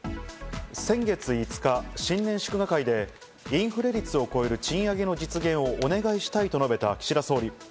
先月５日、新年祝賀会でインフレ率を超える賃上げの実現をお願いしたいと述べた岸田総理。